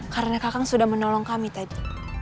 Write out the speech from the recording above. karena kakang sudah menolong kami tadi